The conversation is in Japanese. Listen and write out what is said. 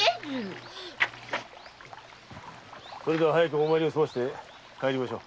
それでは早くお参りをすませて帰りましょう。